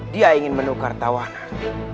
dia ingin menukar tawanan